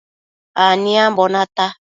Aniambobi nata